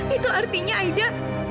itu artinya aida